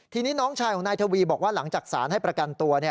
ทีนี้น้องชายของนายทวีบอกว่าหลังจากสารให้ประกันตัว